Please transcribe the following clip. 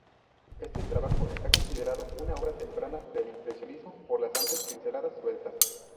Este trabajo está considerado una obra temprana del Impresionismo, por las amplias pinceladas sueltas.